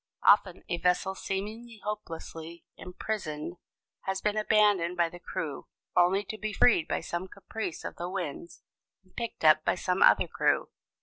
Often a vessel seemingly hopelessly imprisoned has been abandoned by the crew, only to be freed by some caprice of the winds and picked up by some other crew.